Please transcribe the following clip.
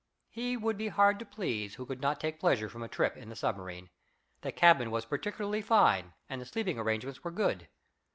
He would be hard to please who could not take pleasure from a trip in the submarine. The cabin was particularly fine, and the sleeping arrangements were good.